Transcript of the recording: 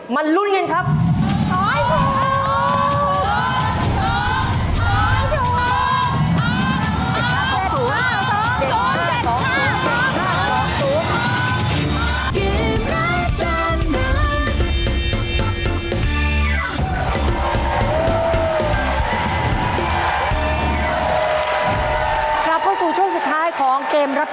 มารุ้นเงินครับ